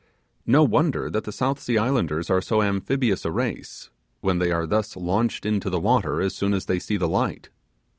No wonder that the South Sea Islanders are so amphibious a race, when they are thus launched into the water as soon as they see the light.